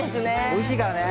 おいしいからね。